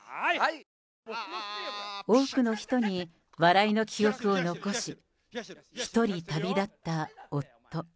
多くの人に笑いの記憶を残し、一人旅立った夫。